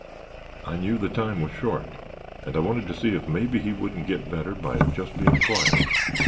"I knew the time was short and I wanted to see if maybe he wouldn't get better by just being quiet.